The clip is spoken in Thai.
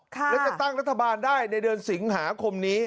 และจะตั้งรัฐบาลได้ในเดือนสิงหาคมนี้